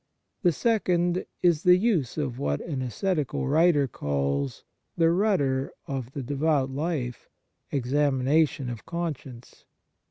The second is the use of what an ascetical writer calls " the rudder of the devout life, examination of conscience."